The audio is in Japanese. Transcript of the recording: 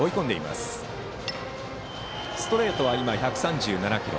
ストレートは今、１３７キロ。